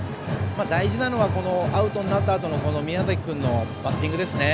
大事なのはアウトになったあとの宮崎君のバッティングですね。